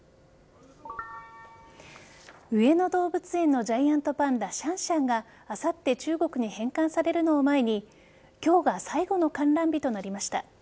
上野動物園のジャイアントパンダシャンシャンがあさって中国に返還されるのを前に今日が最後の観覧日となりました。